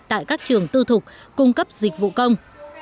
tại các trường tư thục cung cấp dịch vụ công